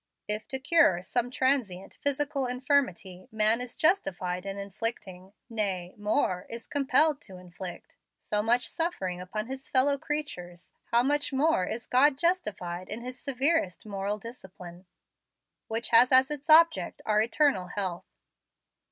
If to cure some transient, physical infirmity, man is justified in inflicting nay, more, is compelled to inflict so much suffering upon his fellow creatures, how much more is God justified in His severest moral discipline, which has as its object our eternal health.